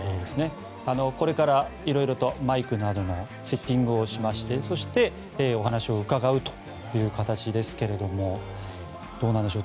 これから色々とマイクなどのセッティングをしましてそして、お話を伺うという形ですけれどもどうなんでしょう